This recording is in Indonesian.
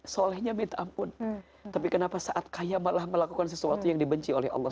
solehnya minta ampun tapi kenapa saat kaya malah melakukan sesuatu yang dibenci oleh allah